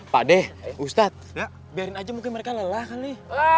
pak deh ustadz nak biarin aja mungkin mereka lelah kali